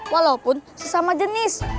walaupun sesama jenis